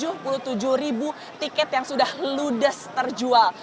jadi ini adalah lebih dari tujuh puluh tujuh ribu tiket yang sudah ludes terjual